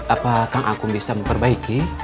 apakah kang agung bisa memperbaiki